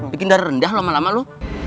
bikin darah rendah lama lama lo